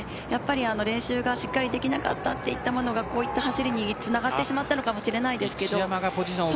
練習がしっかりできなかったというのがこういった走りにつながってしまったかもしれません。